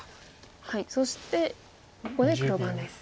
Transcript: そしてここで黒番です。